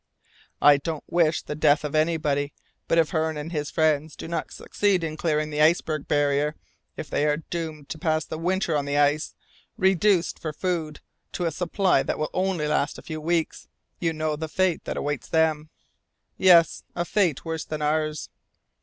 I don't wish the death of anybody, but if Hearne and his friends do not succeed in clearing the iceberg barrier if they are doomed to pass the winter on the ice, reduced for food to a supply that will only last a few weeks, you know the fate that awaits them!" "Yes, a fate worse than ours!"